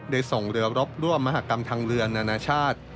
ส่งเรือรบร่วมมหากรรมทางเรือนานาชาติ